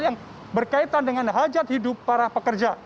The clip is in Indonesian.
yang berkaitan dengan hajat hidup para pekerja